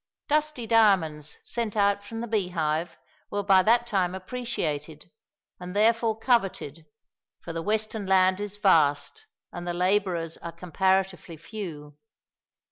Dusty diamonds sent out from the Beehive were by that time appreciated, and therefore coveted; for the western land is vast, and the labourers are comparatively few.